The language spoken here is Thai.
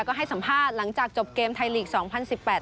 ก็ให้สัมภาษณ์หลังจากจบเกมไทยลีกสองพันสิบแปด